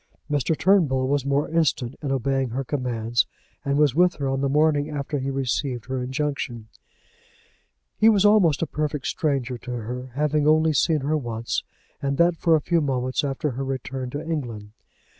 Mr. Turnbull was more instant in obeying her commands, and was with her on the morning after he received her injunction. He was almost a perfect stranger to her, having only seen her once and that for a few moments after her return to England.